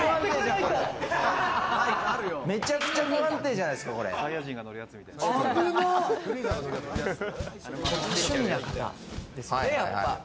めちゃくちゃ不安定じゃない多趣味な方ですよね、やっぱ。